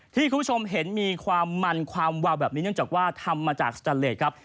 ที่คุณผู้ชมเห็นมีความมันความวาวแบบนี้เนื่องจากว่าทำมาจากสแตนเลสครับ